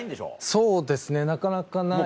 そうですねなかなかないです。